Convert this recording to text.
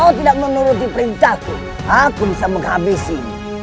jika tidak menuruti perintahku aku bisa menghabisi ini